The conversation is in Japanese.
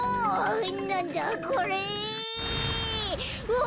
うわ！